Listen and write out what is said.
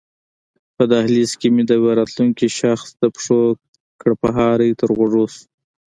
په دهلېز کې مې د یوه راتلونکي شخص د پښو کړپهاری تر غوږو شو.